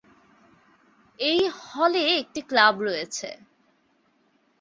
এই হলে একটি ক্লাব রয়েছে।